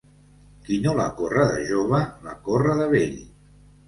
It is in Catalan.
Qui no la corre de jove, la corre de vell.